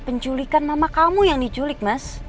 penculikan mama kamu yang diculik mas